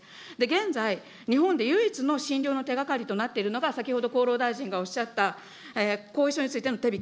現在、日本で唯一の診療の手がかりとなっているのが、先ほど厚労大臣がおっしゃった、後遺症についての手引。